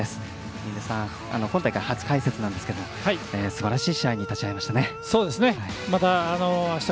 印出さん、今大会初解説なんですがすばらしい試合に立ち会いました。